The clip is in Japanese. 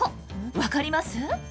分かります？